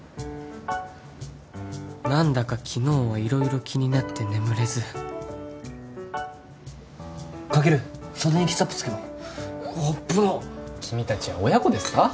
何だか昨日は色々気になって眠れずカケル袖にケチャップつくよ危なっ君達は親子ですか？